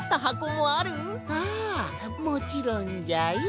ああもちろんじゃよ。